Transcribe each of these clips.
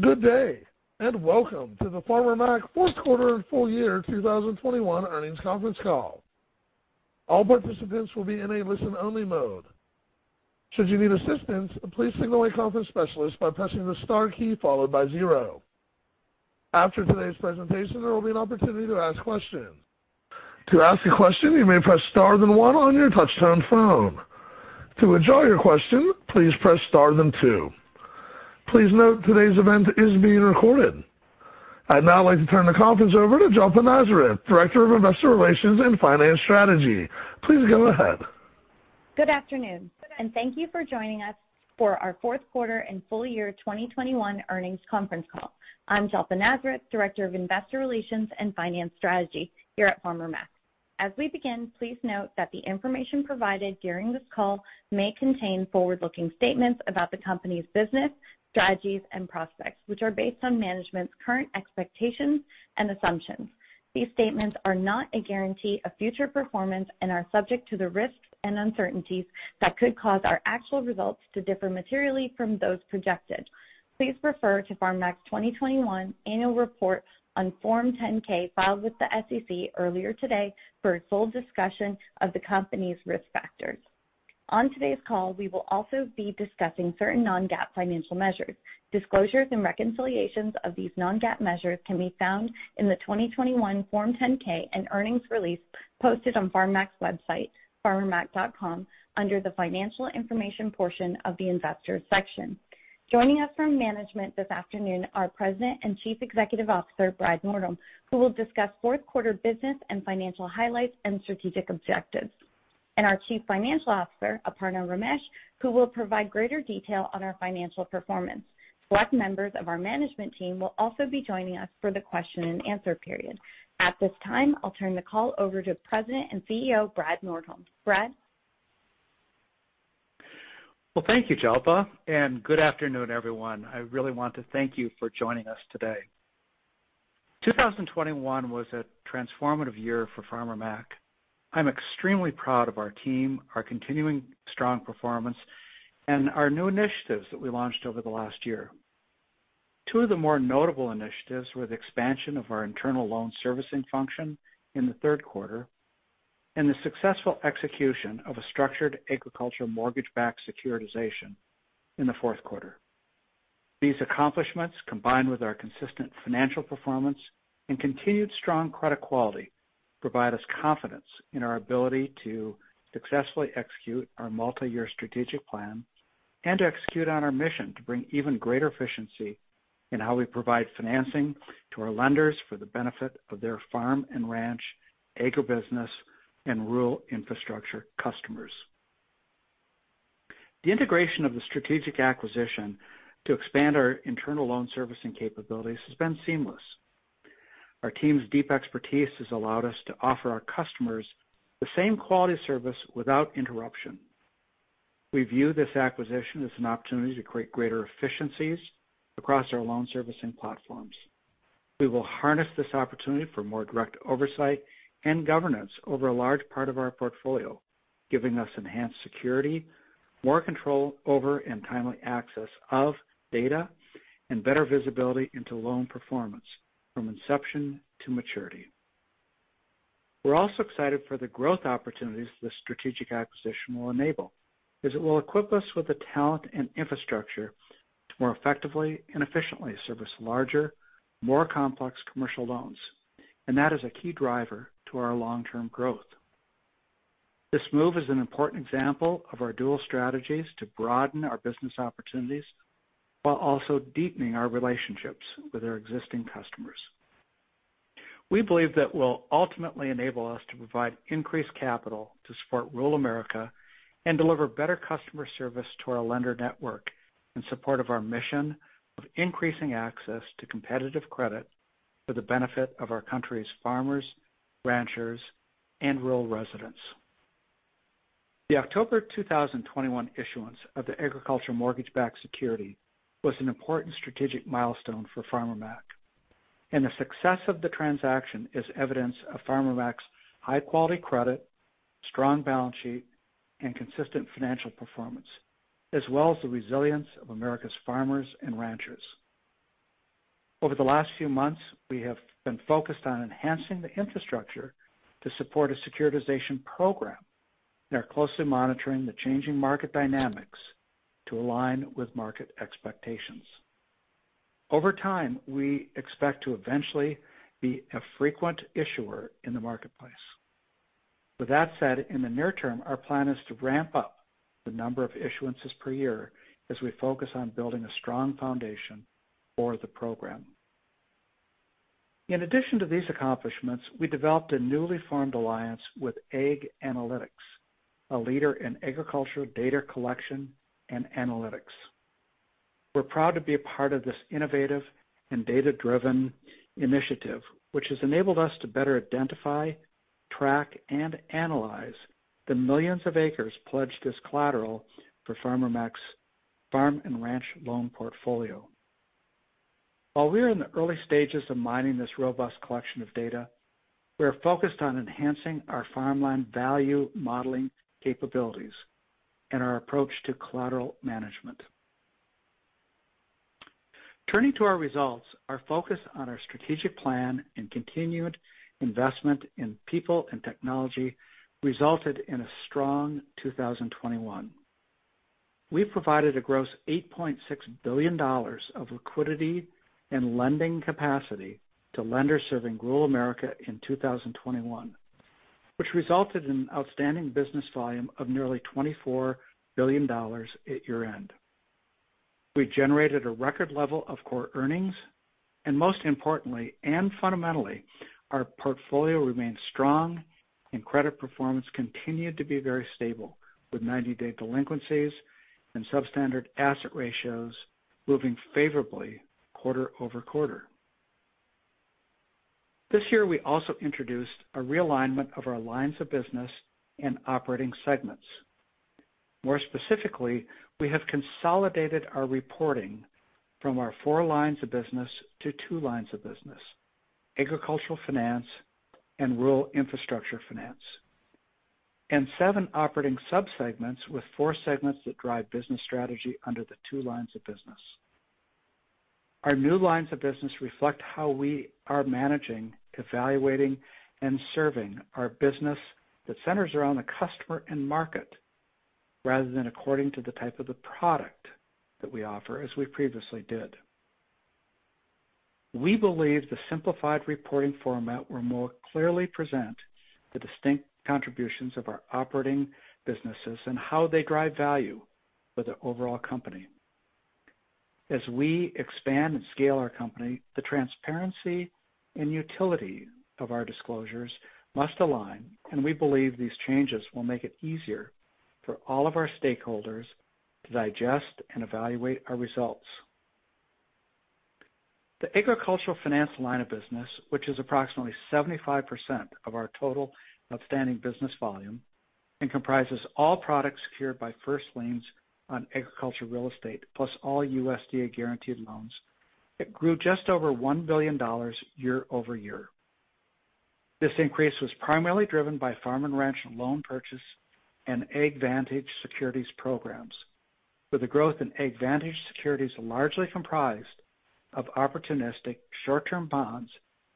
Good day, and welcome to the Farmer Mac fourth quarter and full year 2021 earnings conference call. All participants will be in a listen-only mode. Should you need assistance, please signal a conference specialist by pressing the star key followed by zero. After today's presentation, there will be an opportunity to ask questions. To ask a question, you may press star then one on your touch-tone phone. To withdraw your question, please press star then two. Please note today's event is being recorded. I'd now like to turn the conference over to Jalpa Nazareth, Director of Investor Relations and Finance Strategy. Please go ahead. Good afternoon, and thank you for joining us for our fourth quarter and full year 2021 earnings conference call. I'm Jalpa Nazareth, Director of Investor Relations and Finance Strategy here at Farmer Mac. As we begin, please note that the information provided during this call may contain forward-looking statements about the company's business, strategies, and prospects, which are based on management's current expectations and assumptions. These statements are not a guarantee of future performance and are subject to the risks and uncertainties that could cause our actual results to differ materially from those projected. Please refer to Farmer Mac's 2021 annual report on Form 10-K filed with the SEC earlier today for a full discussion of the company's risk factors. On today's call, we will also be discussing certain Non-GAAP financial measures. Disclosures and reconciliations of these Non-GAAP measures can be found in the 2021 Form 10-K and earnings release posted on Farmer Mac's website, farmermac.com, under the Financial Information portion of the Investors section. Joining us from management this afternoon are President and Chief Executive Officer, Brad Nordholm, who will discuss fourth quarter business and financial highlights and strategic objectives. Our Chief Financial Officer, Aparna Ramesh, who will provide greater detail on our financial performance. Select members of our management team will also be joining us for the question and answer period. At this time, I'll turn the call over to President and CEO, Brad Nordholm. Brad? Well, thank you, Jalpa, and good afternoon, everyone. I really want to thank you for joining us today. 2021 was a transformative year for Farmer Mac. I'm extremely proud of our team, our continuing strong performance, and our new initiatives that we launched over the last year. Two of the more notable initiatives were the expansion of our internal loan servicing function in the third quarter and the successful execution of a structured agricultural mortgage-backed securitization in the fourth quarter. These accomplishments, combined with our consistent financial performance and continued strong credit quality, provide us confidence in our ability to successfully execute our multi-year strategic plan and to execute on our mission to bring even greater efficiency in how we provide financing to our lenders for the benefit of their farm and ranch, agribusiness, and rural infrastructure customers. The integration of the strategic acquisition to expand our internal loan servicing capabilities has been seamless. Our team's deep expertise has allowed us to offer our customers the same quality service without interruption. We view this acquisition as an opportunity to create greater efficiencies across our loan servicing platforms. We will harness this opportunity for more direct oversight and governance over a large part of our portfolio, giving us enhanced security, more control over and timely access of data, and better visibility into loan performance from inception to maturity. We're also excited for the growth opportunities this strategic acquisition will enable, as it will equip us with the talent and infrastructure to more effectively and efficiently service larger, more complex commercial loans. That is a key driver to our long-term growth. This move is an important example of our dual strategies to broaden our business opportunities while also deepening our relationships with our existing customers. We believe that will ultimately enable us to provide increased capital to support rural America and deliver better customer service to our lender network in support of our mission of increasing access to competitive credit for the benefit of our country's farmers, ranchers, and rural residents. The October 2021 issuance of the agricultural mortgage-backed security was an important strategic milestone for Farmer Mac. The success of the transaction is evidence of Farmer Mac's high-quality credit, strong balance sheet, and consistent financial performance, as well as the resilience of America's farmers and ranchers. Over the last few months, we have been focused on enhancing the infrastructure to support a securitization program and are closely monitoring the changing market dynamics to align with market expectations. Over time, we expect to eventually be a frequent issuer in the marketplace. With that said, in the near term, our plan is to ramp up the number of issuances per year as we focus on building a strong foundation for the program. In addition to these accomplishments, we developed a newly formed alliance with Ag-Analytics, a leader in agricultural data collection and analytics. We're proud to be a part of this innovative and data-driven initiative, which has enabled us to better identify, track, and analyze the millions of acres pledged as collateral for Farmer Mac's farm and ranch loan portfolio. While we are in the early stages of mining this robust collection of data, we are focused on enhancing our farmland value modeling capabilities and our approach to collateral management. Turning to our results, our focus on our strategic plan and continued investment in people and technology resulted in a strong 2021. We provided a gross $8.6 billion of liquidity and lending capacity to lenders serving rural America in 2021, which resulted in outstanding business volume of nearly $24 billion at year-end. We generated a record level of core earnings, and most importantly, and fundamentally, our portfolio remains strong and credit performance continued to be very stable, with 90-day delinquencies and substandard asset ratios moving favorably quarter over quarter. This year, we also introduced a realignment of our lines of business and operating segments. More specifically, we have consolidated our reporting from our four lines of business to two lines of business, Agricultural Finance and Rural Infrastructure Finance. Seven operating subsegments, with four segments that drive business strategy under the two lines of business. Our new lines of business reflect how we are managing, evaluating, and serving our business that centers around the customer and market, rather than according to the type of the product that we offer as we previously did. We believe the simplified reporting format will more clearly present the distinct contributions of our operating businesses and how they drive value for the overall company. As we expand and scale our company, the transparency and utility of our disclosures must align, and we believe these changes will make it easier for all of our stakeholders to digest and evaluate our results. The agricultural finance line of business, which is approximately 75% of our total outstanding business volume and comprises all products secured by first liens on agricultural real estate, plus all USDA guaranteed loans. It grew just over $1 billion year-over-year. This increase was primarily driven by farm and ranch loan purchase and AgVantage securities programs, with the growth in AgVantage securities largely comprised of opportunistic short-term bonds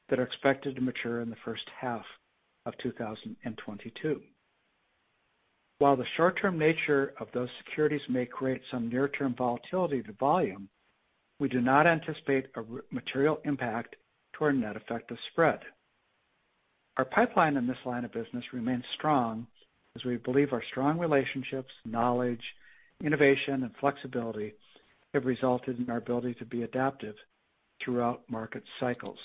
that are expected to mature in the first half of 2022. While the short-term nature of those securities may create some near-term volatility to volume, we do not anticipate a material impact to our net effect of spread. Our pipeline in this line of business remains strong as we believe our strong relationships, knowledge, innovation, and flexibility have resulted in our ability to be adaptive throughout market cycles.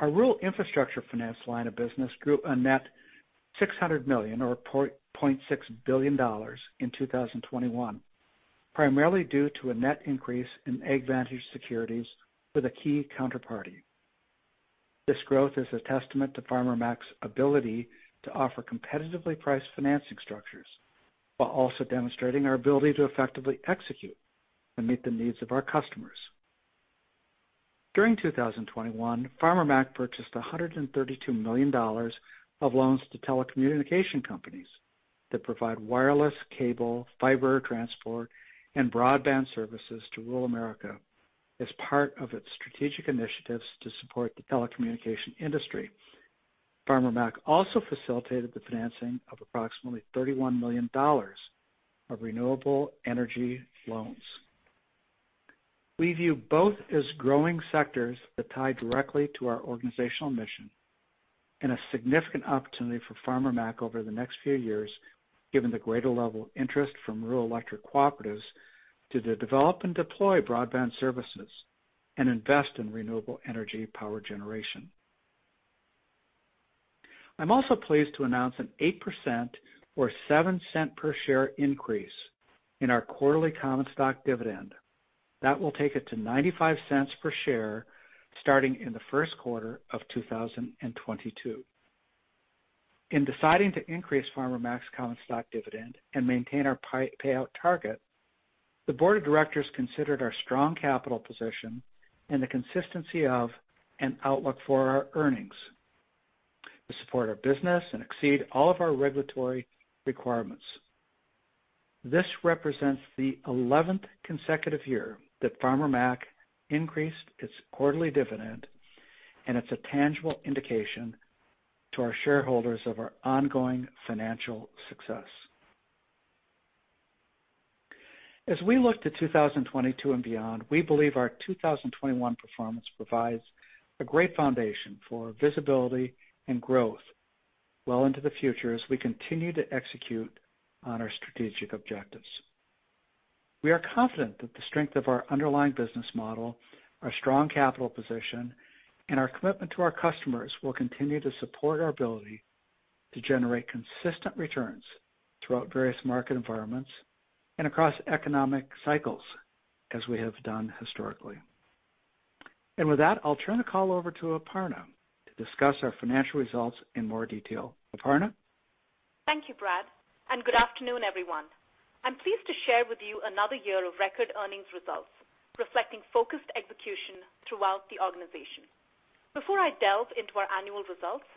Our rural infrastructure finance line of business grew a net $600 million or $0.6 billion in 2021, primarily due to a net increase in AgVantage securities with a key counterparty. This growth is a testament to Farmer Mac's ability to offer competitively priced financing structures, while also demonstrating our ability to effectively execute and meet the needs of our customers. During 2021, Farmer Mac purchased $132 million of loans to telecommunications companies that provide wireless cable, fiber transport, and broadband services to rural America as part of its strategic initiatives to support the telecommunications industry. Farmer Mac also facilitated the financing of approximately $31 million of renewable energy loans. We view both as growing sectors that tie directly to our organizational mission and a significant opportunity for Farmer Mac over the next few years, given the greater level of interest from rural electric cooperatives to develop and deploy broadband services and invest in renewable energy power generation. I'm also pleased to announce an 8% or $0.07 per share increase in our quarterly common stock dividend. That will take it to $0.95 per share starting in the first quarter of 2022. In deciding to increase Farmer Mac's common stock dividend and maintain our payout target, the board of directors considered our strong capital position and the consistency of an outlook for our earnings to support our business and exceed all of our regulatory requirements. This represents the 11th consecutive year that Farmer Mac increased its quarterly dividend, and it's a tangible indication to our shareholders of our ongoing financial success. As we look to 2022 and beyond, we believe our 2021 performance provides a great foundation for visibility and growth well into the future as we continue to execute on our strategic objectives. We are confident that the strength of our underlying business model, our strong capital position, and our commitment to our customers will continue to support our ability to generate consistent returns throughout various market environments and across economic cycles as we have done historically. With that, I'll turn the call over to Aparna to discuss our financial results in more detail. Aparna? Thank you, Brad, and good afternoon, everyone. I'm pleased to share with you another year of record earnings results reflecting focused execution throughout the organization. Before I delve into our annual results,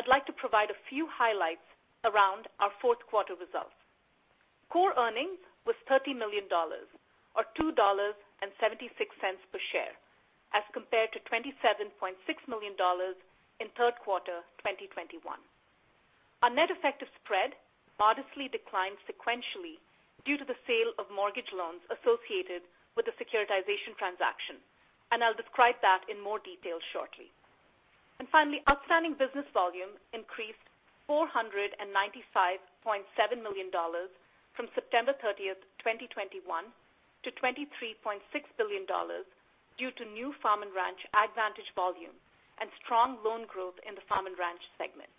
I'd like to provide a few highlights around our fourth quarter results. Core earnings was $30 million or $2.76 per share, as compared to $27.6 million in third quarter 2021. Our net effective spread modestly declined sequentially due to the sale of mortgage loans associated with the securitization transaction, and I'll describe that in more detail shortly. Finally, outstanding business volume increased $495.7 million from September 30, 2021 to $23.6 billion due to new Farm and Ranch AgVantage volume and strong loan growth in the Farm and Ranch segment.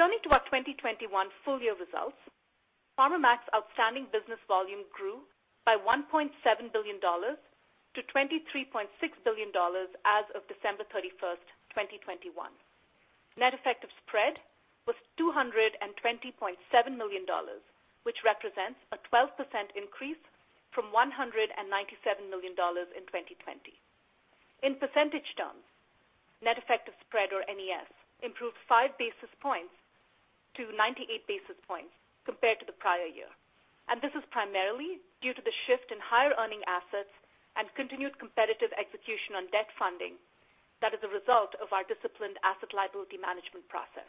Turning to our 2021 full year results, Farmer Mac's outstanding business volume grew by $1.7 billion to $23.6 billion as of December 31, 2021. Net effective spread was $220.7 million, which represents a 12% increase from $197 million in 2020. In percentage terms, net effective spread or NES improved 5 basis points to 98 basis points compared to the prior year. This is primarily due to the shift in higher earning assets and continued competitive execution on debt funding that is a result of our disciplined asset liability management process.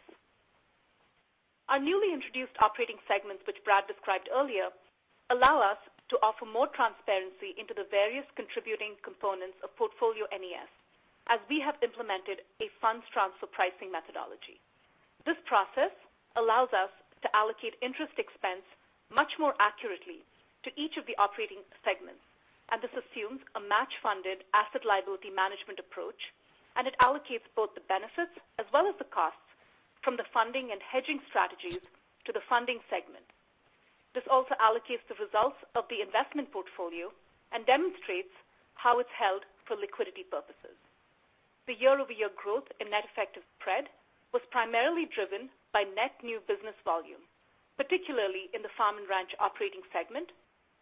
Our newly introduced operating segments, which Brad described earlier, allow us to offer more transparency into the various contributing components of portfolio NES as we have implemented a Funds Transfer Pricing methodology. This process allows us to allocate interest expense much more accurately to each of the operating segments, and this assumes a match-funded asset liability management approach, and it allocates both the benefits as well as the costs from the funding and hedging strategies to the funding segment. This also allocates the results of the investment portfolio and demonstrates how it's held for liquidity purposes. The year-over-year growth in net effective spread was primarily driven by net new business volume, particularly in the farm and ranch operating segment,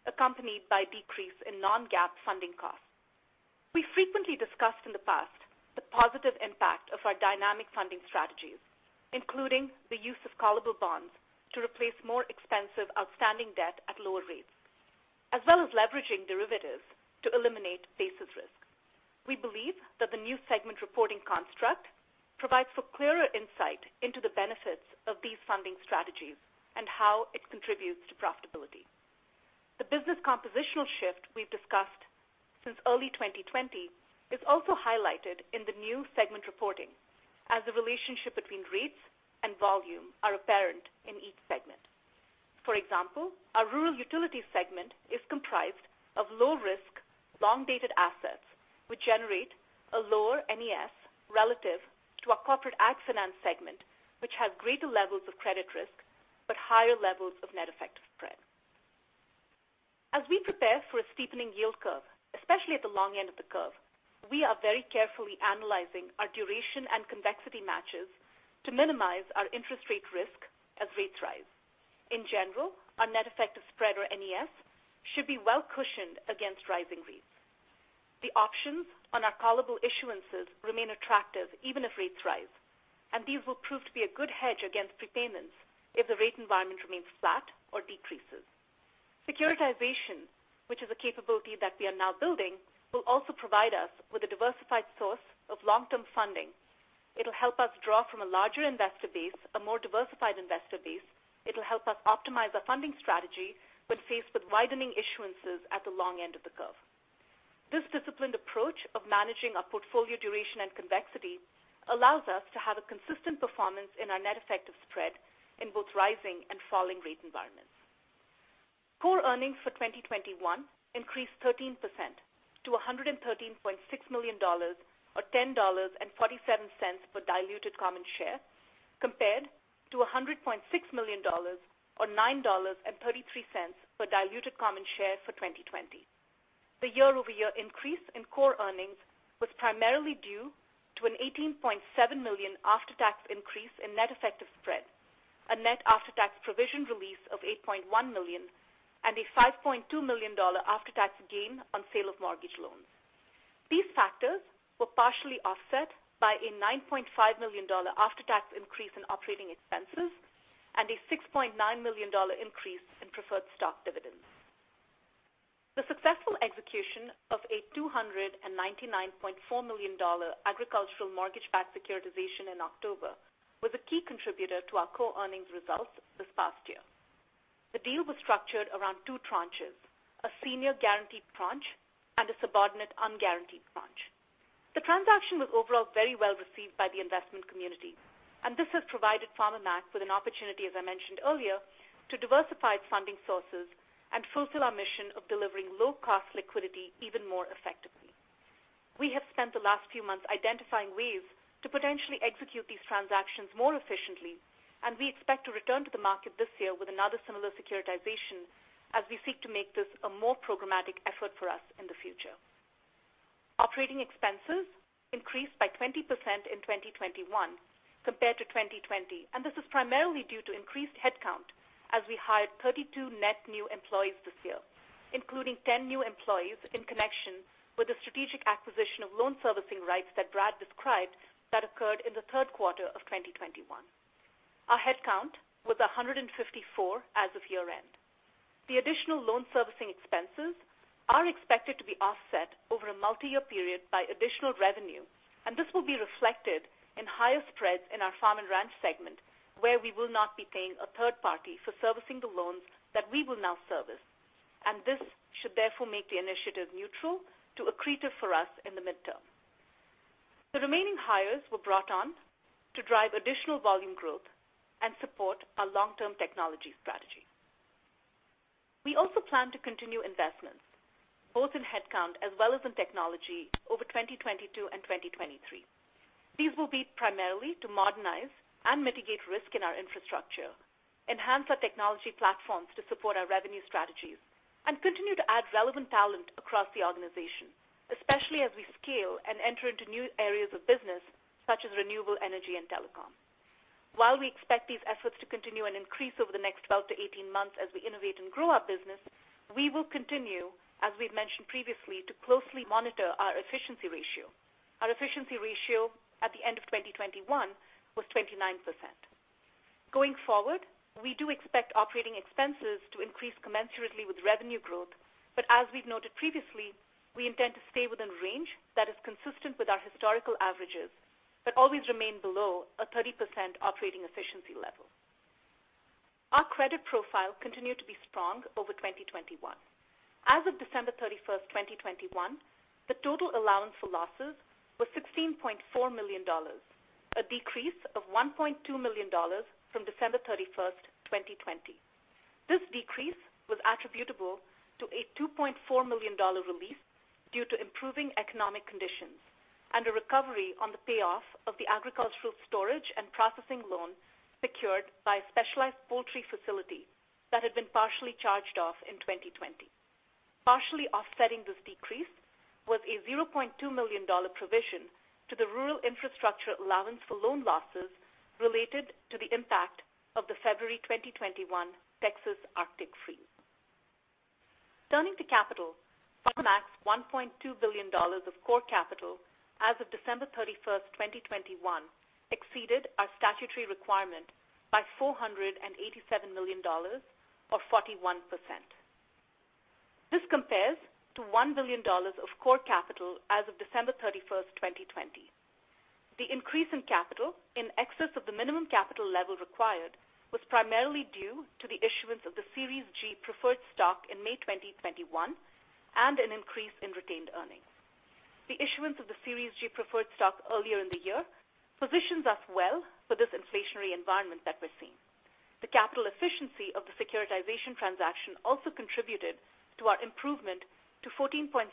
accompanied by decrease in non-GAAP funding costs. We frequently discussed in the past the positive impact of our dynamic funding strategies, including the use of callable bonds to replace more expensive outstanding debt at lower rates, as well as leveraging derivatives to eliminate basis risk. We believe that the new segment reporting construct provides for clearer insight into the benefits of these funding strategies and how it contributes to profitability. The business compositional shift we've discussed since early 2020 is also highlighted in the new segment reporting as the relationship between rates and volume are apparent in each segment. For example, our Rural Utility segment is comprised of low risk, long-dated assets which generate a lower NES relative to our Corporate Ag Finance segment, which has greater levels of credit risk, but higher levels of net effective spread. As we prepare for a steepening yield curve, especially at the long end of the curve, we are very carefully analyzing our duration and convexity matches to minimize our interest rate risk as rates rise. In general, our net effective spread or NES should be well cushioned against rising rates. The options on our callable issuances remain attractive even if rates rise, and these will prove to be a good hedge against prepayments if the rate environment remains flat or decreases. Securitization, which is a capability that we are now building, will also provide us with a diversified source of long-term funding. It'll help us draw from a larger investor base, a more diversified investor base. It'll help us optimize our funding strategy when faced with widening issuances at the long end of the curve. This disciplined approach of managing our portfolio duration and convexity allows us to have a consistent performance in our net effective spread in both rising and falling rate environments. Core earnings for 2021 increased 13% to $113.6 million or $10.47 per diluted common share, compared to $100.6 million or $9.33 per diluted common share for 2020. The year-over-year increase in core earnings was primarily due to an $18.7 million after-tax increase in net effective spread, a net after-tax provision release of $8.1 million and a $5.2 million after-tax gain on sale of mortgage loans. These factors were partially offset by a $9.5 million after-tax increase in operating expenses and a $6.9 million increase in preferred stock dividends. The successful execution of a $299.4 million agricultural mortgage-backed securitization in October was a key contributor to our core earnings results this past year. The deal was structured around two tranches, a senior guaranteed tranche and a subordinate unguaranteed tranche. The transaction was overall very well received by the investment community, and this has provided Farmer Mac with an opportunity, as I mentioned earlier, to diversify its funding sources and fulfill our mission of delivering low-cost liquidity even more effectively. We have spent the last few months identifying ways to potentially execute these transactions more efficiently. We expect to return to the market this year with another similar securitization as we seek to make this a more programmatic effort for us in the future. Operating expenses increased by 20% in 2021 compared to 2020, and this is primarily due to increased headcount as we hired 32 net new employees this year, including 10 new employees in connection with the strategic acquisition of loan servicing rights that Brad described that occurred in the third quarter of 2021. Our headcount was 154 as of year-end. The additional loan servicing expenses are expected to be offset over a multiyear period by additional revenue, and this will be reflected in higher spreads in our Farm and Ranch segment, where we will not be paying a third party for servicing the loans that we will now service. This should therefore make the initiative neutral to accretive for us in the midterm. The remaining hires were brought on to drive additional volume growth and support our long-term technology strategy. We also plan to continue investments both in headcount as well as in technology over 2022 and 2023. These will be primarily to modernize and mitigate risk in our infrastructure, enhance our technology platforms to support our revenue strategies, and continue to add relevant talent across the organization, especially as we scale and enter into new areas of business such as renewable energy and telecom. While we expect these efforts to continue and increase over the next 12-18 months as we innovate and grow our business, we will continue, as we've mentioned previously, to closely monitor our efficiency ratio. Our efficiency ratio at the end of 2021 was 29%. Going forward, we do expect operating expenses to increase commensurately with revenue growth. As we've noted previously, we intend to stay within range that is consistent with our historical averages, but always remain below a 30% operating efficiency level. Our credit profile continued to be strong over 2021. As of December 31, 2021, the total allowance for losses was $16.4 million, a decrease of $1.2 million from December 31, 2020. This decrease was attributable to a $2.4 million release due to improving economic conditions and a recovery on the payoff of the agricultural storage and processing loan secured by a specialized poultry facility that had been partially charged off in 2020. Partially offsetting this decrease was a $0.2 million provision to the rural infrastructure allowance for loan losses related to the impact of the February 2021 Texas arctic freeze. Turning to capital, Farmer Mac's $1.2 billion of core capital as of December 31, 2021 exceeded our statutory requirement by $487 million, or 41%. This compares to $1 billion of core capital as of December 31, 2020. The increase in capital in excess of the minimum capital level required was primarily due to the issuance of the Series G preferred stock in May 2021 and an increase in retained earnings. The issuance of the Series G preferred stock earlier in the year positions us well for this inflationary environment that we're seeing. The capital efficiency of the securitization transaction also contributed to our improvement to 14.7%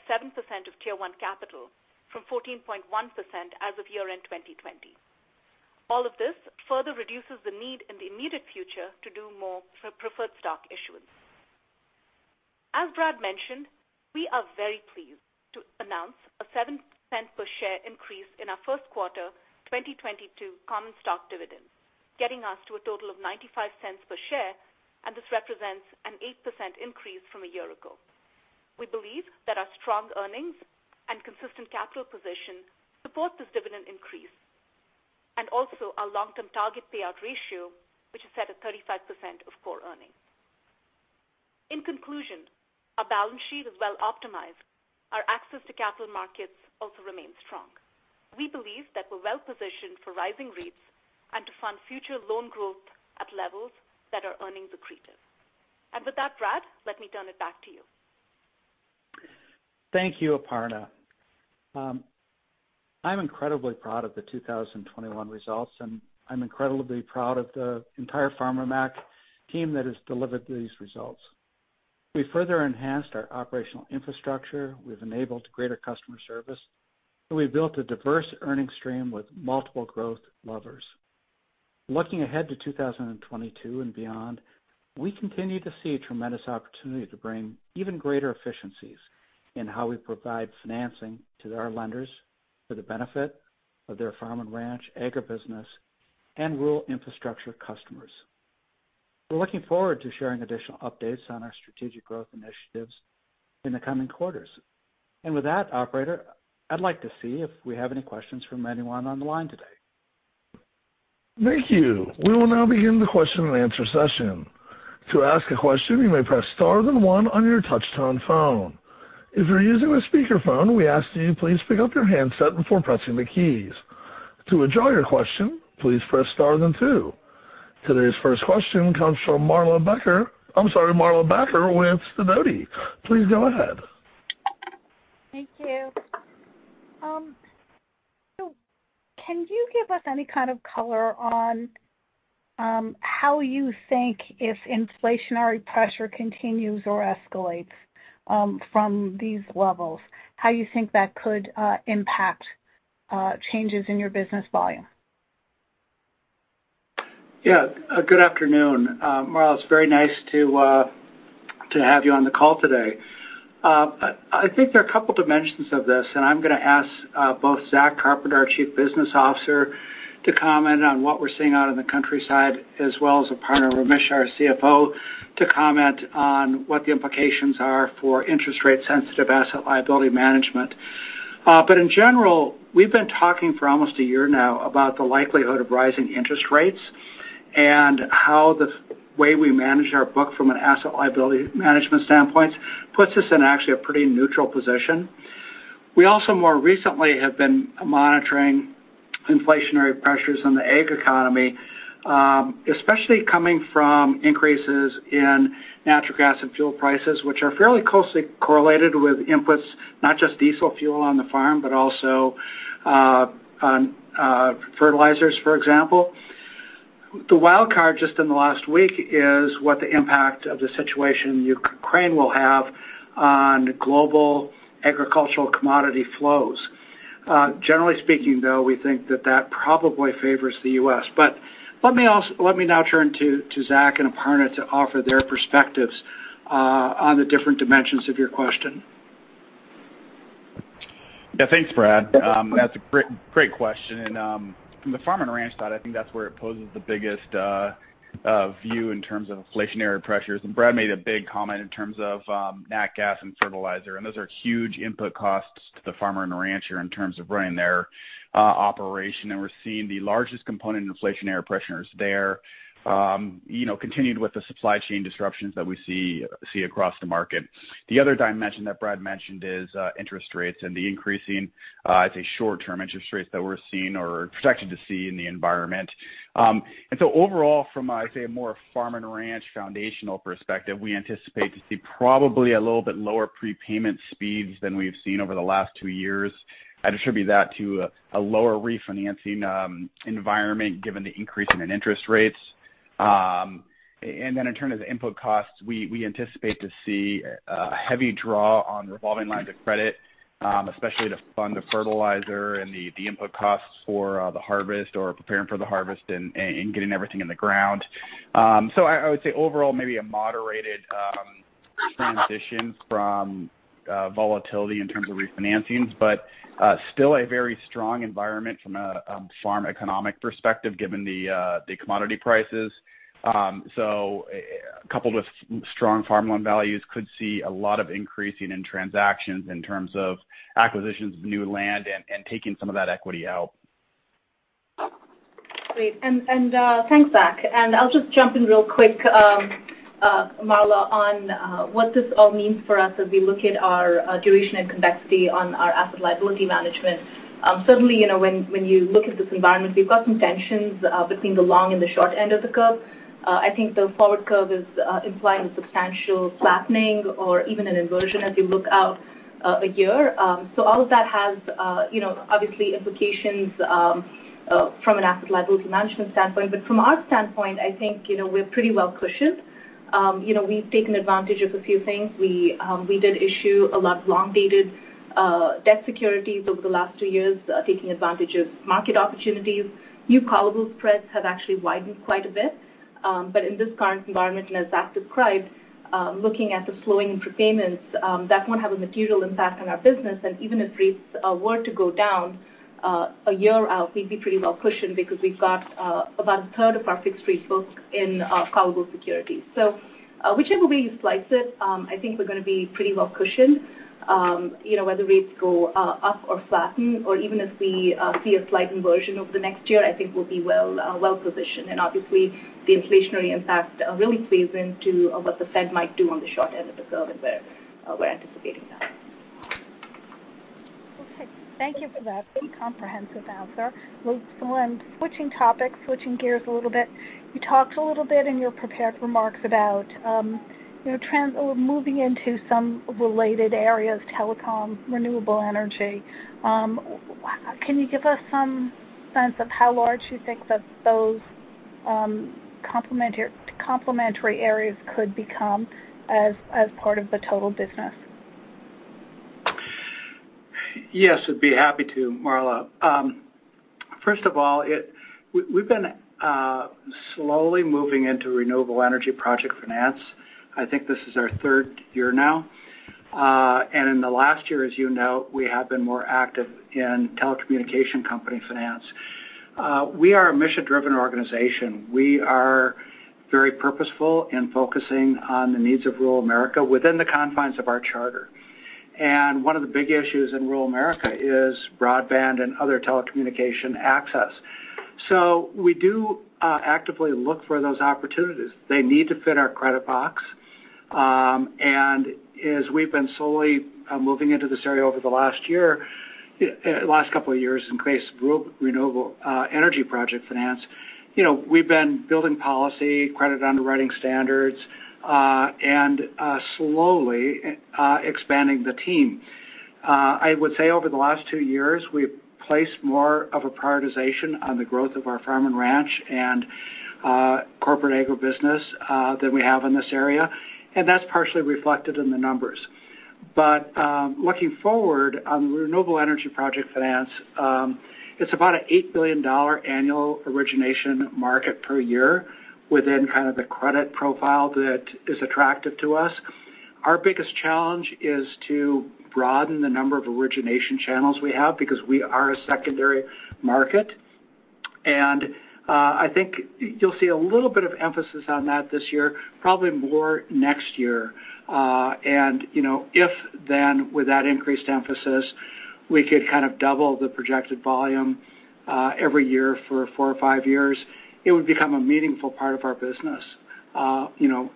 of Tier 1 capital from 14.1% as of year-end 2020. All of this further reduces the need in the immediate future to do more for preferred stock issuance. As Brad mentioned, we are very pleased to announce a $0.07 per share increase in our first quarter 2022 common stock dividend, getting us to a total of $0.95 per share, and this represents an 8% increase from a year ago. We believe that our strong earnings and consistent capital position support this dividend increase and also our long-term target payout ratio, which is set at 35% of core earnings. In conclusion, our balance sheet is well optimized. Our access to capital markets also remains strong. We believe that we're well positioned for rising rates and to fund future loan growth at levels that are earnings accretive. With that, Brad, let me turn it back to you. Thank you, Aparna. I'm incredibly proud of the 2021 results, and I'm incredibly proud of the entire Farmer Mac team that has delivered these results. We further enhanced our operational infrastructure. We've enabled greater customer service. We've built a diverse earning stream with multiple growth levers. Looking ahead to 2022 and beyond, we continue to see a tremendous opportunity to bring even greater efficiencies in how we provide financing to our lenders for the benefit of their farm and ranch agribusiness and rural infrastructure customers. We're looking forward to sharing additional updates on our strategic growth initiatives in the coming quarters. With that, operator, I'd like to see if we have any questions from anyone on the line today. Thank you. We will now begin the question and answer session. To ask a question, you may press star then one on your touchtone phone. If you're using a speakerphone, we ask that you please pick up your handset before pressing the keys. To withdraw your question, please press star then two. Today's first question comes from Marla Backer. I'm sorry, Marla Backer with Sidoti. Please go ahead. Thank you. Can you give us any kind of color on how you think if inflationary pressure continues or escalates from these levels, how you think that could impact Changes in your business volume. Yeah. Good afternoon. Well, it's very nice to have you on the call today. I think there are a couple dimensions of this, and I'm going to ask both Zachary Carpenter, our Chief Business Officer, to comment on what we're seeing out in the countryside, as well as Aparna Ramesh, our CFO, to comment on what the implications are for interest rate-sensitive asset liability management. In general, we've been talking for almost a year now about the likelihood of rising interest rates and how the way we manage our book from an asset liability management standpoint puts us in actually a pretty neutral position. We also more recently have been monitoring inflationary pressures on the ag economy, especially coming from increases in natural gas and fuel prices, which are fairly closely correlated with inputs, not just diesel fuel on the farm, but also on fertilizers, for example. The wild card just in the last week is what the impact of the situation in Ukraine will have on global agricultural commodity flows. Generally speaking, though, we think that probably favors the U.S. Let me now turn to Zach and Aparna to offer their perspectives on the different dimensions of your question. Yeah. Thanks, Brad. That's a great question. From the farm and ranch side, I think that's where it poses the biggest view in terms of inflationary pressures. Brad made a big comment in terms of nat gas and fertilizer, and those are huge input costs to the farmer and rancher in terms of running their operation. We're seeing the largest component in inflationary pressures there, you know, continued with the supply chain disruptions that we see across the market. The other dimension that Brad mentioned is interest rates and the increasing, I'd say short-term interest rates that we're seeing or are projected to see in the environment. Overall from a, I'd say a more farm and ranch foundational perspective, we anticipate to see probably a little bit lower prepayment speeds than we've seen over the last two years. I'd attribute that to a lower refinancing environment given the increase in interest rates. Then in terms of input costs, we anticipate to see a heavy draw on revolving lines of credit, especially to fund the fertilizer and the input costs for the harvest or preparing for the harvest and getting everything in the ground. I would say overall, maybe a moderated transition from volatility in terms of refinancings, but still a very strong environment from a farm economic perspective given the commodity prices. Coupled with strong farm loan values, could see a lot of increase in transactions in terms of acquisitions of new land and taking some of that equity out. Great. Thanks, Zach. I'll just jump in real quick, Marla, on what this all means for us as we look at our duration and convexity on our asset liability management. Certainly, you know, when you look at this environment, we've got some tensions between the long and the short end of the curve. I think the forward curve is implying substantial flattening or even an inversion as you look out a year. All of that has, you know, obviously implications from an asset liability management standpoint. From our standpoint, I think, you know, we're pretty well cushioned. You know, we've taken advantage of a few things. We did issue a lot of long-dated debt securities over the last two years, taking advantage of market opportunities. New callable spreads have actually widened quite a bit. In this current environment, and as Zach described, looking at the slowing prepayments, that won't have a material impact on our business. Even if rates were to go down a year out, we'd be pretty well cushioned because we've got about a third of our fixed rate book in callable securities. Whichever way you slice it, I think we're going to be pretty well cushioned. You know, whether rates go up or flatten or even if we see a slight inversion over the next year, I think we'll be well positioned. Obviously, the inflationary impact really plays into what the Fed might do on the short end of the curve, and we're anticipating that. Okay. Thank you for that pretty comprehensive answer. I'm switching topics, switching gears a little bit. You talked a little bit in your prepared remarks about moving into some related areas, telecom, renewable energy. Can you give us some sense of how large you think that those complementary areas could become as part of the total business? Yes, I'd be happy to, Marla. First of all, we've been slowly moving into renewable energy project finance. I think this is our third year now. In the last year, as you know, we have been more active in telecommunication company finance. We are a mission-driven organization. We are very purposeful in focusing on the needs of rural America within the confines of our charter. One of the big issues in rural America is broadband and other telecommunication access. We do actively look for those opportunities. They need to fit our credit box. As we've been slowly moving into this area over the last year, last couple of years in case group renewable energy project finance, you know, we've been building policy, credit underwriting standards, and slowly expanding the team. I would say over the last two years, we've placed more of a prioritization on the growth of our farm and ranch corporate agribusiness that we have in this area, and that's partially reflected in the numbers. Looking forward on renewable energy project finance, it's about an $8 billion annual origination market per year within kind of the credit profile that is attractive to us. Our biggest challenge is to broaden the number of origination channels we have because we are a secondary market. I think you'll see a little bit of emphasis on that this year, probably more next year. You know, if then with that increased emphasis, we could kind of double the projected volume every year for four or five years, it would become a meaningful part of our business, you know,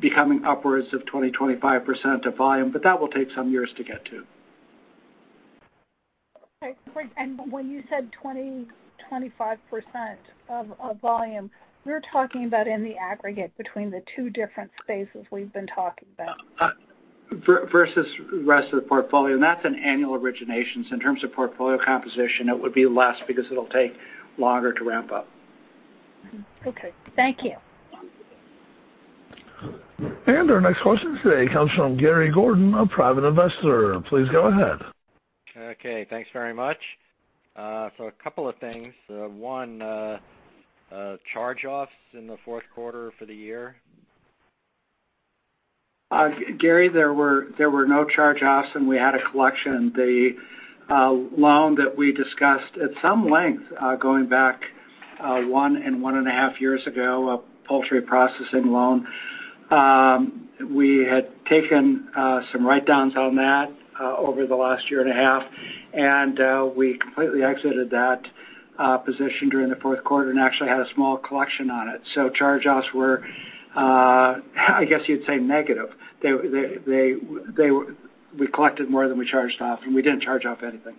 becoming upwards of 20-25% of volume. That will take some years to get to. Okay. Great. When you said 20%-25% of volume, we're talking about in the aggregate between the two different spaces we've been talking about. Versus the rest of the portfolio, and that's an annual origination. In terms of portfolio composition, it would be less because it'll take longer to ramp up. Okay. Thank you. Our next question today comes from Gary Gordon, a Private Investor. Please go ahead. Okay. Thanks very much. A couple of things. One, charge-offs in the fourth quarter for the year. Gary, there were no charge-offs, and we had a collection. The loan that we discussed at some length, going back 1.5 years ago, a poultry processing loan. We had taken some write-downs on that over the last 1.5 years. We completely exited that position during the fourth quarter and actually had a small collection on it. Charge-offs were, I guess you'd say, negative. We collected more than we charged off, and we didn't charge off anything.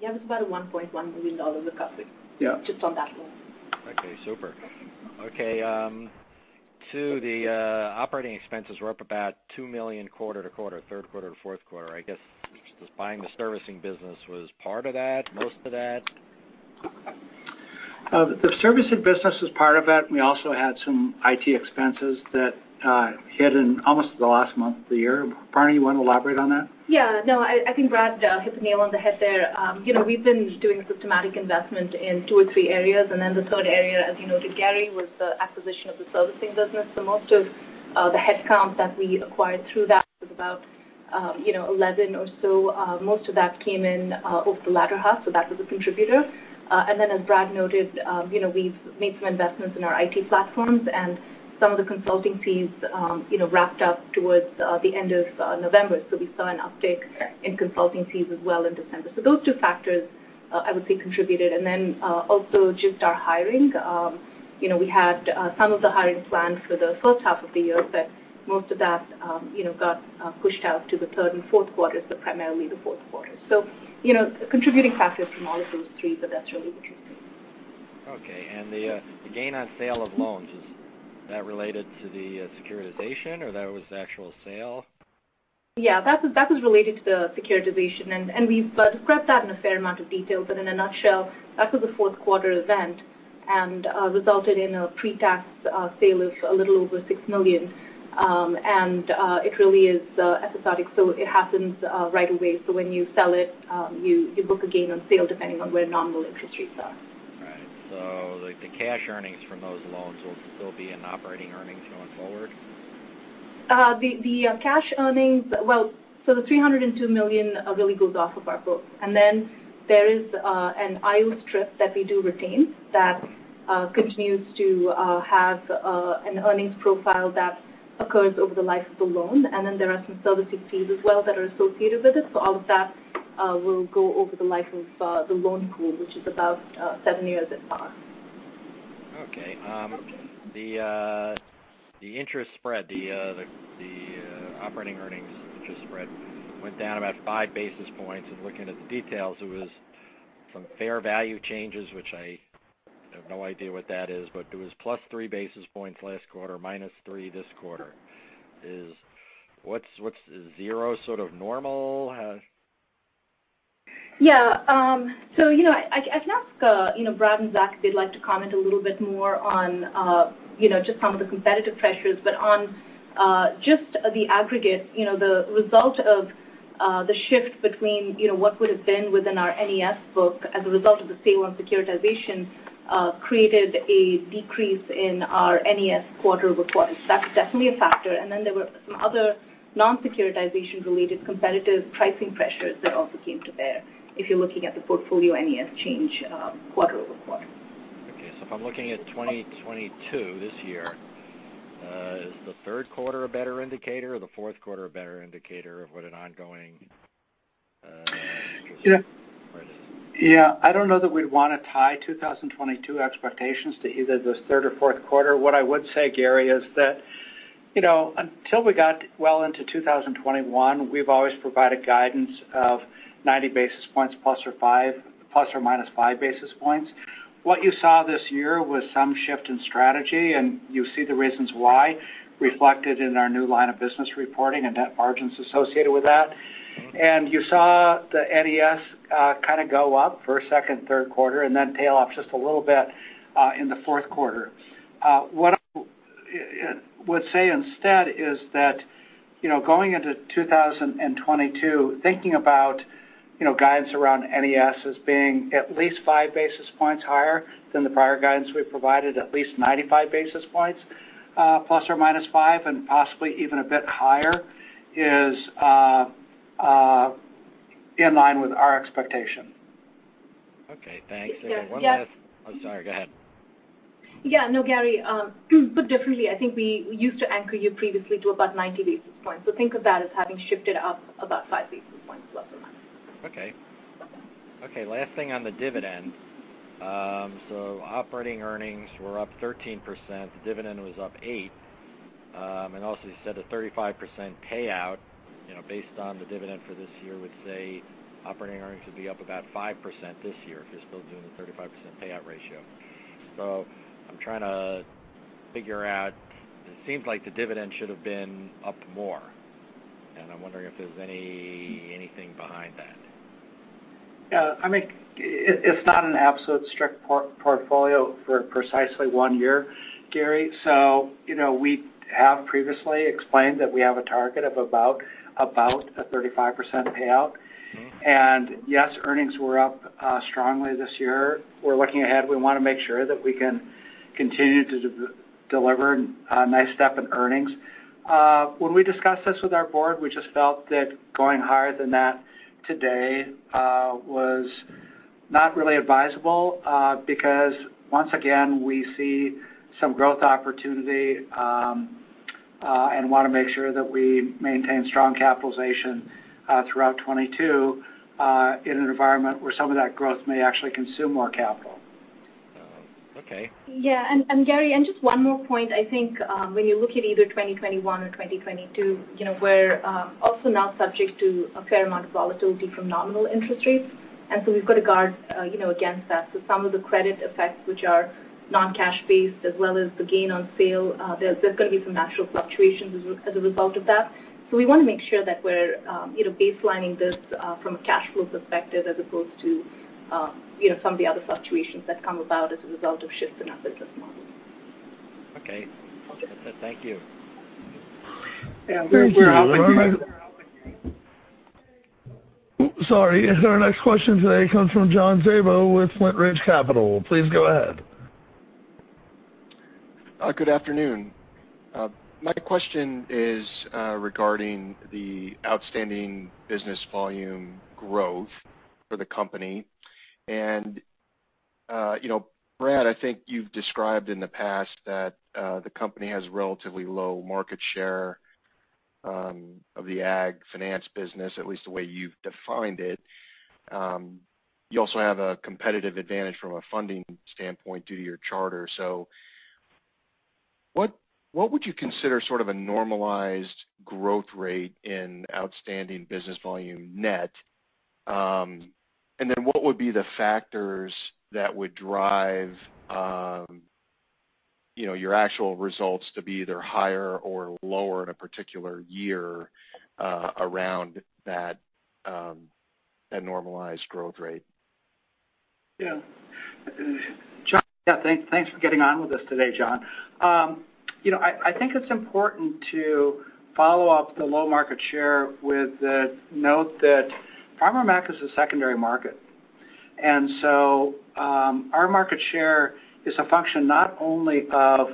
Yeah. It was about $1.1 million of recovery. Yeah Just on that loan. Okay. Super. Okay, the operating expenses were up about $2 million quarter to quarter, third quarter to fourth quarter. I guess just buying the servicing business was part of that, most of that. The servicing business was part of it, and we also had some IT expenses that hit in almost the last month of the year. Aparna Ramesh, you wanna elaborate on that? Yeah. No, I think Brad hit the nail on the head there. You know, we've been doing systematic investment in two or three areas. Then the third area, as you noted, Gary, was the acquisition of the servicing business. Most of the headcounts that we acquired through that was about, you know, 11 or so. Most of that came in over the latter half, so that was a contributor. Then as Brad noted, you know, we've made some investments in our IT platforms and some of the consulting fees, you know, wrapped up towards the end of November. We saw an uptick in consulting fees as well in December. Those two factors I would say contributed. Then also just our hiring. You know, we had some of the hiring plans for the first half of the year, but most of that, you know, got pushed out to the third and fourth quarters, but primarily the fourth quarter. You know, contributing factors from all of those three, but that's really interesting. Okay. The gain on sale of loans, is that related to the securitization or that was the actual sale? Yeah. That was related to the securitization. We've described that in a fair amount of detail. In a nutshell, that was a fourth quarter event and resulted in a pretax sale of a little over $6 million. It really is episodic, so it happens right away. When you sell it, you book a gain on sale depending on where nominal interest rates are. Right. The cash earnings from those loans will still be in operating earnings going forward? The cash earnings. Well, the $302 million really goes off of our books. There is an IO strip that we do retain that continues to have an earnings profile that occurs over the life of the loan. There are some servicing fees as well that are associated with it. All of that will go over the life of the loan pool, which is about seven years thus far. Okay. Okay The interest spread, the operating earnings interest spread went down about five basis points. Looking at the details, it was some fair value changes, which I have no idea what that is, but it was plus three basis points last quarter, minus three this quarter. Is zero sort of normal? Yeah. You know, I can ask you know, Brad and Zach, if they'd like to comment a little bit more on you know, just some of the competitive pressures. On just the aggregate, you know, the result of the shift between you know, what would have been within our NES book as a result of the sale and securitization created a decrease in our NES quarter-over-quarter. That's definitely a factor. Then there were some other non-securitization-related competitive pricing pressures that also came to bear if you're looking at the portfolio NES change quarter-over-quarter. Okay. If I'm looking at 2022 this year, is the third quarter a better indicator or the fourth quarter a better indicator of what an ongoing? Yeah trend is? Yeah. I don't know that we'd wanna tie 2022 expectations to either the third or fourth quarter. What I would say, Gary, is that, you know, until we got well into 2021, we've always provided guidance of 90 basis points plus or minus 5 basis points. What you saw this year was some shift in strategy, and you see the reasons why reflected in our new line of business reporting and net margins associated with that. You saw the NES kind of go up for second and third quarter and then tail off just a little bit in the fourth quarter. What I would say instead is that, you know, going into 2022, thinking about, you know, guidance around NES as being at least 5 basis points higher than the prior guidance we've provided, at least 95 basis points, ±5, and possibly even a bit higher, is in line with our expectation. Okay, thanks. Yes. Yes. I'm sorry, go ahead. Yeah. No, Gary, but definitely I think we used to anchor you previously to about 90 basis points. Think of that as having shifted up about 5 basis points plus or minus. Okay. Okay, last thing on the dividend. Operating earnings were up 13%, the dividend was up 8%. And also you said a 35% payout, you know, based on the dividend for this year would say operating earnings will be up about 5% this year if you're still doing the 35% payout ratio. I'm trying to figure out, it seems like the dividend should have been up more, and I'm wondering if there's anything behind that. Yeah. I mean, it's not an absolute strict portfolio for precisely one year, Gary. You know, we have previously explained that we have a target of about a 35% payout. Yes, earnings were up strongly this year. We're looking ahead, we wanna make sure that we can continue to deliver a nice step in earnings. When we discussed this with our board, we just felt that going higher than that today was not really advisable, because once again, we see some growth opportunity, and wanna make sure that we maintain strong capitalization throughout 2022, in an environment where some of that growth may actually consume more capital. Oh, okay. Gary, just one more point. I think when you look at either 2021 or 2022, you know, we're also now subject to a fair amount of volatility from nominal interest rates. We've got to guard, you know, against that. Some of the credit effects which are non-cash based as well as the gain on sale, there's gonna be some natural fluctuations as a result of that. We wanna make sure that we're, you know, baselining this from a cash flow perspective as opposed to, you know, some of the other fluctuations that come about as a result of shifts in our business model. Okay. Thank you. Yeah. We're out with you. Sorry. Our next question today comes from John Zabor with Flint Ridge Capital. Please go ahead. Good afternoon. My question is regarding the outstanding business volume growth for the company. You know, Brad, I think you've described in the past that the company has relatively low market share of the ag finance business, at least the way you've defined it. You also have a competitive advantage from a funding standpoint due to your charter. What would you consider sort of a normalized growth rate in outstanding business volume net? Then what would be the factors that would drive your actual results to be either higher or lower in a particular year around that normalized growth rate? Yeah. John, thanks for getting on with us today, John. I think it's important to follow up the low market share with the note that Farmer Mac is a secondary market. Our market share is a function not only of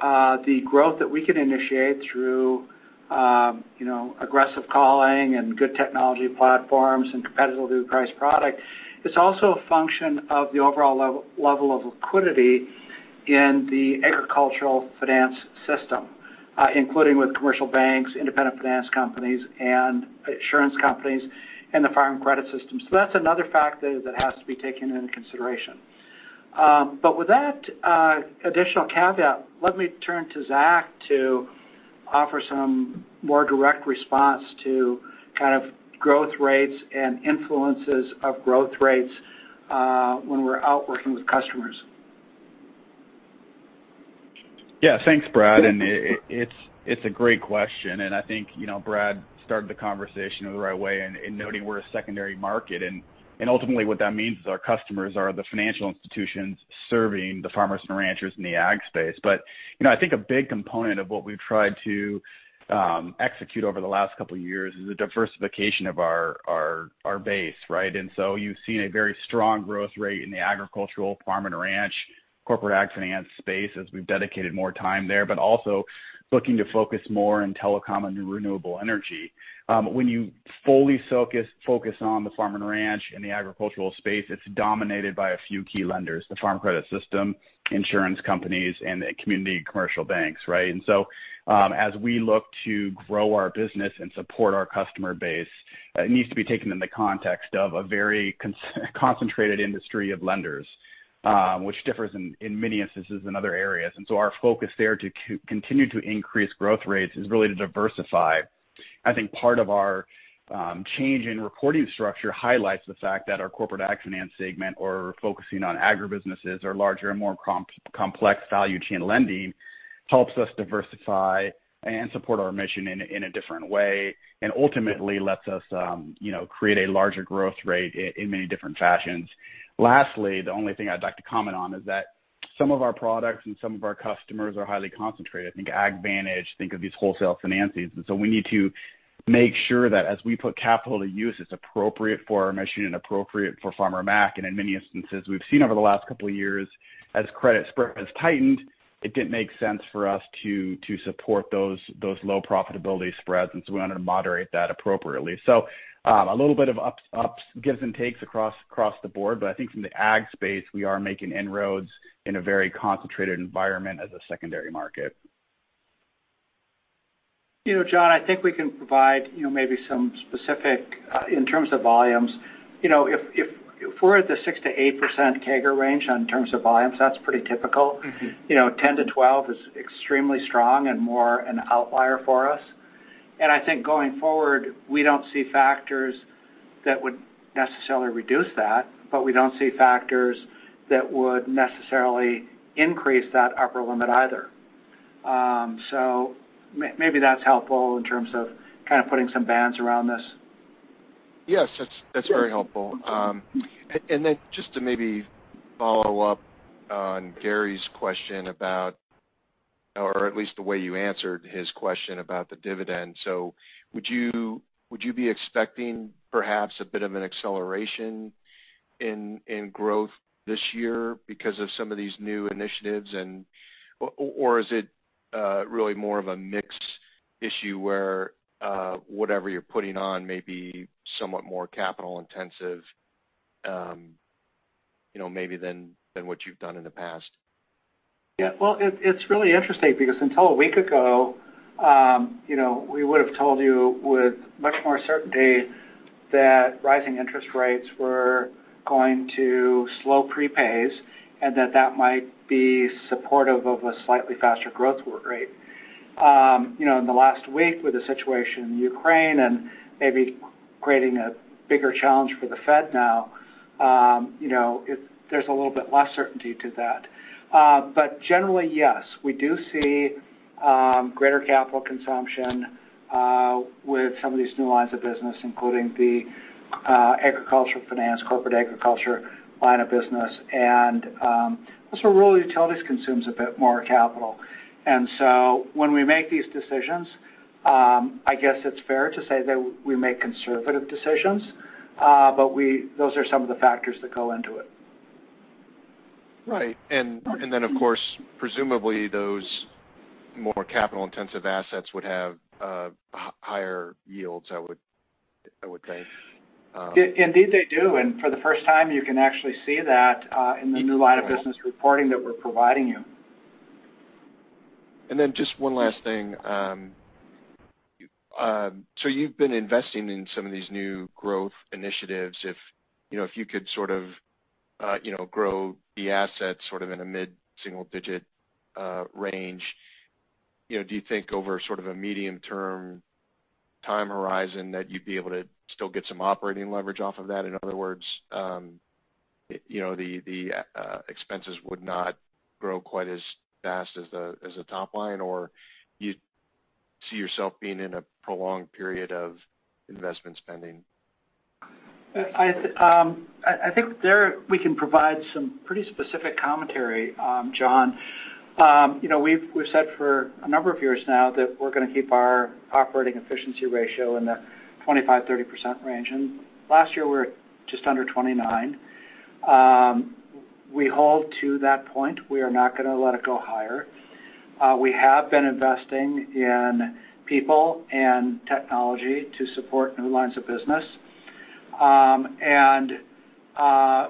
the growth that we can initiate through you know aggressive calling and good technology platforms and competitively priced product. It's also a function of the overall level of liquidity in the agricultural finance system, including with commercial banks, independent finance companies and insurance companies and the Farm Credit System. That's another factor that has to be taken into consideration. With that additional caveat, let me turn to Zach to offer some more direct response to kind of growth rates and influences of growth rates when we're out working with customers. Yeah. Thanks, Brad. It's a great question, and I think, you know, Brad started the conversation in the right way in noting we're a secondary market. Ultimately what that means is our customers are the financial institutions serving the farmers and ranchers in the ag space. You know, I think a big component of what we've tried to execute over the last couple of years is the diversification of our base, right? You've seen a very strong growth rate in the agricultural farm and ranch corporate ag finance space as we've dedicated more time there. But also looking to focus more in telecom and renewable energy. When you fully focus on the farm and ranch and the agricultural space, it's dominated by a few key lenders, the Farm Credit System, insurance companies and the community commercial banks, right? As we look to grow our business and support our customer base, it needs to be taken in the context of a very concentrated industry of lenders, which differs in many instances in other areas. Our focus there to continue to increase growth rates is really to diversify. I think part of our change in reporting structure highlights the fact that our Corporate Ag Finance segment or focusing on agribusinesses or larger and more complex value chain lending helps us diversify and support our mission in a different way. Ultimately lets us, you know, create a larger growth rate in many different fashions. Lastly, the only thing I'd like to comment on is that some of our products and some of our customers are highly concentrated. Think AgVantage, think of these wholesale financings. We need to make sure that as we put capital to use, it's appropriate for our mission and appropriate for Farmer Mac. In many instances, we've seen over the last couple of years as credit spread has tightened, it didn't make sense for us to support those low profitability spreads. We wanted to moderate that appropriately. A little bit of ups, gives and takes across the board. I think from the ag space, we are making inroads in a very concentrated environment as a secondary market. You know, John, I think we can provide, you know, maybe some specific in terms of volumes. You know, if we're at the 6%-8% CAGR range in terms of volumes, that's pretty typical. Mm-hmm. You know, 10%-12% is extremely strong and more an outlier for us. I think going forward, we don't see factors that would necessarily reduce that, but we don't see factors that would necessarily increase that upper limit either. Maybe that's helpful in terms of kind of putting some bands around this. Yes. That's very helpful. And then just to maybe follow up on Gary's question about, or at least the way you answered his question about the dividend. Would you be expecting perhaps a bit of an acceleration in growth this year because of some of these new initiatives, or is it really more of a mix issue where whatever you're putting on may be somewhat more capital intensive, you know, maybe than what you've done in the past? Yeah. Well, it's really interesting because until a week ago, you know, we would have told you with much more certainty that rising interest rates were going to slow prepays and that might be supportive of a slightly faster growth rate. You know, in the last week with the situation in Ukraine and maybe creating a bigger challenge for the Fed now, there's a little bit less certainty to that. But generally, yes, we do see greater capital consumption with some of these new lines of business, including the agricultural finance, corporate agriculture line of business. Also rural utilities consumes a bit more capital. When we make these decisions, I guess it's fair to say that we make conservative decisions, but those are some of the factors that go into it. Right. Then of course, presumably those more capital-intensive assets would have higher yields, I would think. Indeed they do. For the first time, you can actually see that in the new line of business reporting that we're providing you. Just one last thing. You've been investing in some of these new growth initiatives. If, you know, if you could sort of, you know, grow the assets sort of in a mid-single digit range, you know, do you think over sort of a medium-term time horizon that you'd be able to still get some operating leverage off of that? In other words, you know, the expenses would not grow quite as fast as the top line, or you see yourself being in a prolonged period of investment spending. I think that we can provide some pretty specific commentary, John. You know, we've said for a number of years now that we're going to keep our operating efficiency ratio in the 25-30% range. Last year, we're just under 29%. We hold to that point. We are not going to let it go higher. We have been investing in people and technology to support new lines of business.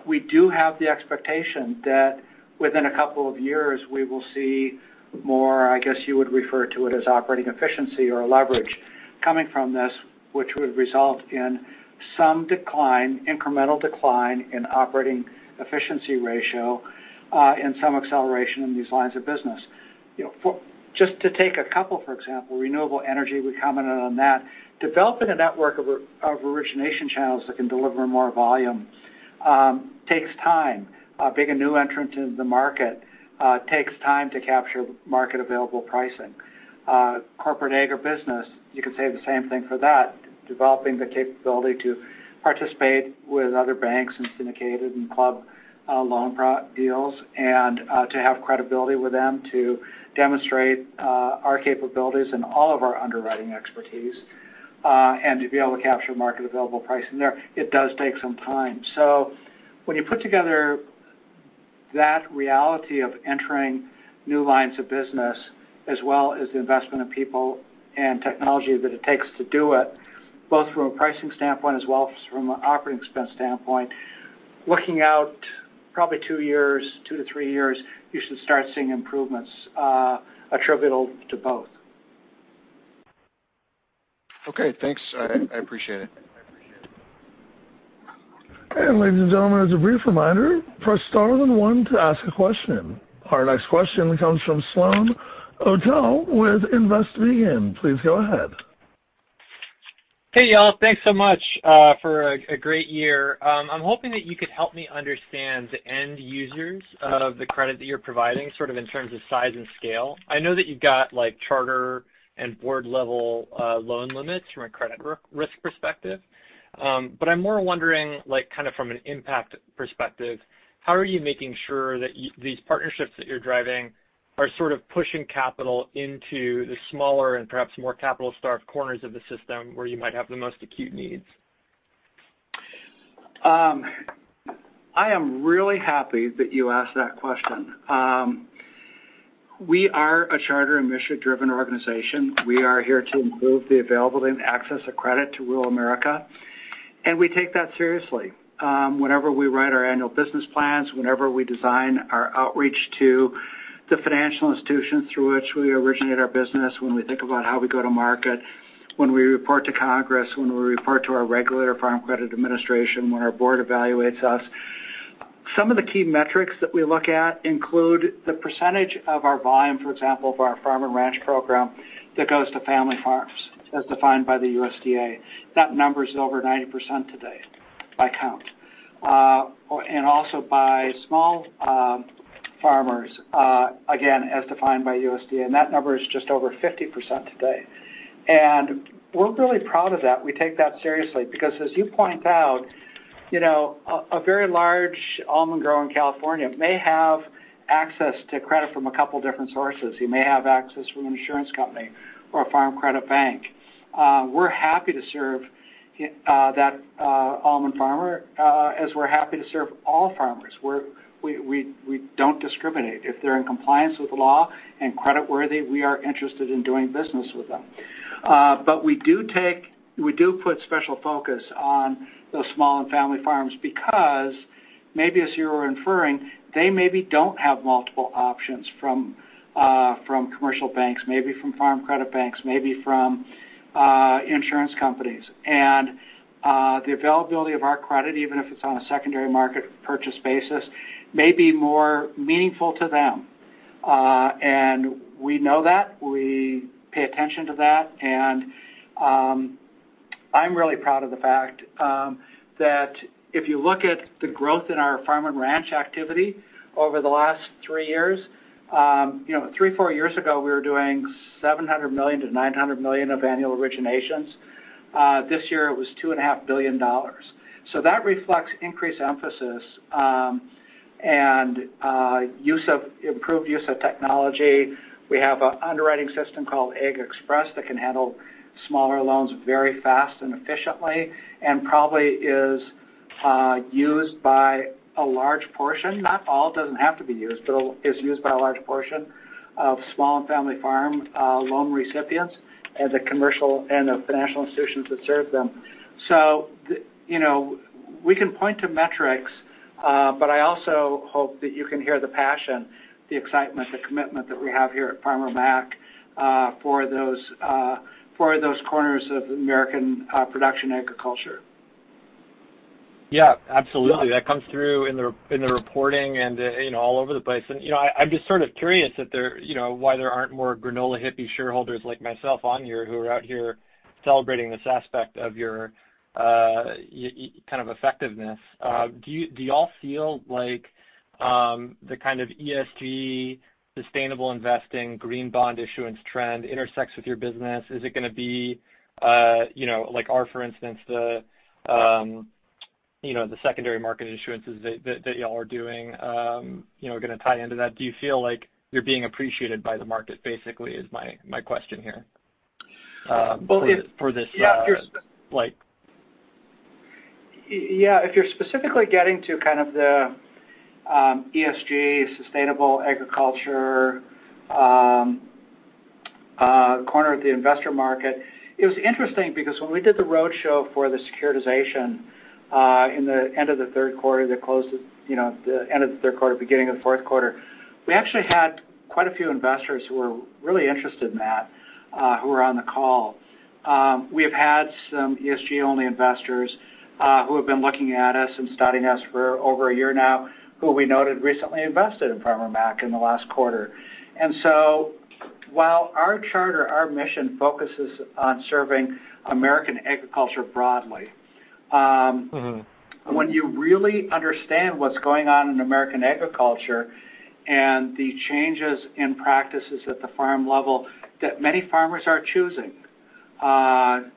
We do have the expectation that within a couple of years, we will see more, I guess you would refer to it as operating efficiency or leverage coming from this, which would result in some decline, incremental decline in operating efficiency ratio, and some acceleration in these lines of business. You know, just to take a couple for example, renewable energy, we commented on that. Developing a network of origination channels that can deliver more volume takes time. Being a new entrant into the market takes time to capture market available pricing. Corporate agribusiness, you could say the same thing for that, developing the capability to participate with other banks in syndicated and club loan deals and to have credibility with them to demonstrate our capabilities and all of our underwriting expertise and to be able to capture market available pricing there. It does take some time. When you put together that reality of entering new lines of business as well as the investment of people and technology that it takes to do it, both from a pricing standpoint as well as from an operating expense standpoint, looking out probably two years, two to three years, you should start seeing improvements attributable to both. Okay, thanks. I appreciate it. Ladies and gentlemen, as a brief reminder, press star then one to ask a question. Our next question comes from Sloan Otell with Investee In. Please go ahead. Hey, y'all. Thanks so much for a great year. I'm hoping that you could help me understand the end users of the credit that you're providing, sort of in terms of size and scale. I know that you've got like charter and board level loan limits from a credit risk perspective, but I'm more wondering like kind of from an impact perspective, how are you making sure that these partnerships that you're driving are sort of pushing capital into the smaller and perhaps more capital-starved corners of the system where you might have the most acute needs? I am really happy that you asked that question. We are a charter and mission-driven organization. We are here to improve the availability and access of credit to rural America, and we take that seriously. Whenever we write our annual business plans, whenever we design our outreach to the financial institutions through which we originate our business, when we think about how we go to market, when we report to Congress, when we report to our regulator, Farm Credit Administration, when our board evaluates us. Some of the key metrics that we look at include the percentage of our volume, for example, of our farm and ranch program that goes to family farms as defined by the USDA. That number is over 90% today by count. Also by small farmers, again, as defined by USDA, and that number is just over 50% today. We're really proud of that. We take that seriously because as you point out, you know, a very large almond grower in California may have access to credit from a couple different sources. He may have access from an insurance company or a farm credit bank. We're happy to serve that almond farmer as we're happy to serve all farmers. We don't discriminate. If they're in compliance with the law and creditworthy, we are interested in doing business with them. We do put special focus on those small and family farms because maybe as you were inferring, they maybe don't have multiple options from commercial banks, maybe from farm credit banks, maybe from insurance companies. The availability of our credit, even if it's on a secondary market purchase basis, may be more meaningful to them. We know that. We pay attention to that. I'm really proud of the fact that if you look at the growth in our farm and ranch activity over the last three years, you know, three, four years ago, we were doing $700 million-$900 million of annual originations. This year it was $2.5 billion. That reflects increased emphasis and improved use of technology. We have a underwriting system called AgXpress that can handle smaller loans very fast and efficiently, and probably is used by a large portion, not all, doesn't have to be used, but it's used by a large portion of small and family farm loan recipients and the commercial and the financial institutions that serve them. You know, we can point to metrics, but I also hope that you can hear the passion, the excitement, the commitment that we have here at Farmer Mac for those corners of American production agriculture. Yeah, absolutely. That comes through in the reporting and, you know, all over the place. You know, I'm just sort of curious if there, you know, why there aren't more granola hippie shareholders like myself on here who are out here celebrating this aspect of your kind of effectiveness. Do y'all feel like the kind of ESG sustainable investing green bond issuance trend intersects with your business? Is it gonna be, you know, like, for instance, the, you know, the secondary market issuances that y'all are doing, you know, gonna tie into that? Do you feel like you're being appreciated by the market? Basically is my question here, for this, like- Yeah, if you're specifically getting to kind of the ESG sustainable agriculture corner of the investor market, it was interesting because when we did the roadshow for the securitization in the end of the third quarter, you know, beginning of the fourth quarter, we actually had quite a few investors who were really interested in that who were on the call. We have had some ESG-only investors who have been looking at us and studying us for over a year now, who we noted recently invested in Farmer Mac in the last quarter. While our charter, our mission focuses on serving American agriculture broadly. When you really understand what's going on in American agriculture and the changes in practices at the farm level that many farmers are choosing,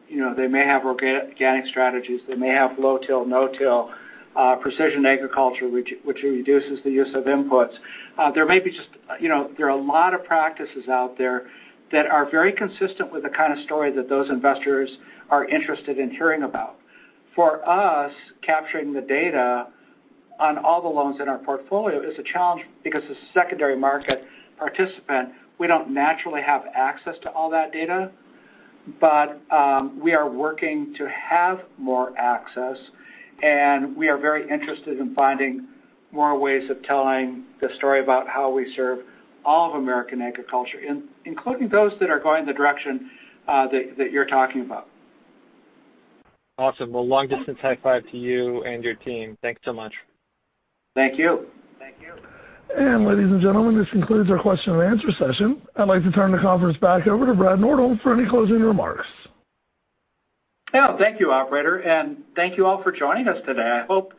you know, they may have organic strategies. They may have low till, no till, precision agriculture, which reduces the use of inputs. There may be just, you know, there are a lot of practices out there that are very consistent with the kind of story that those investors are interested in hearing about. For us, capturing the data on all the loans in our portfolio is a challenge because as a secondary market participant, we don't naturally have access to all that data. We are working to have more access, and we are very interested in finding more ways of telling the story about how we serve all of American agriculture, including those that are going the direction that you're talking about. Awesome. Well, long distance high five to you and your team. Thanks so much. Thank you. Thank you. Ladies and gentlemen, this concludes our question and answer session. I'd like to turn the conference back over to Brad Nordholm for any closing remarks. Oh, thank you, operator, and thank you all for joining us today. I hope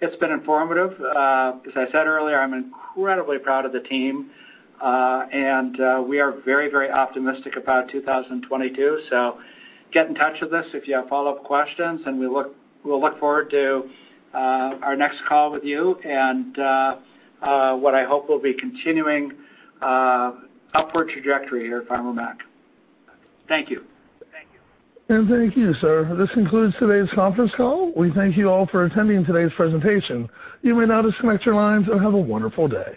it's been informative. As I said earlier, I'm incredibly proud of the team. We are very, very optimistic about 2022. Get in touch with us if you have follow-up questions, and we'll look forward to our next call with you and what I hope will be continuing upward trajectory here at Farmer Mac. Thank you. Thank you. Thank you, sir. This concludes today's conference call. We thank you all for attending today's presentation. You may now disconnect your lines, and have a wonderful day.